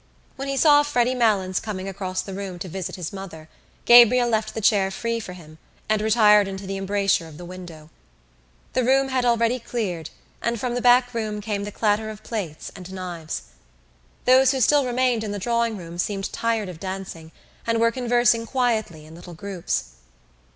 When he saw Freddy Malins coming across the room to visit his mother Gabriel left the chair free for him and retired into the embrasure of the window. The room had already cleared and from the back room came the clatter of plates and knives. Those who still remained in the drawing room seemed tired of dancing and were conversing quietly in little groups.